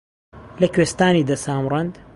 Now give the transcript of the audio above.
لە کوێستانی دە سامرەند